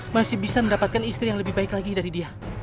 masih bisa mendapatkan istri yang lebih baik lagi dari dia